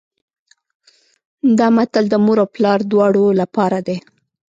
دا متل د مور او پلار دواړو لپاره دی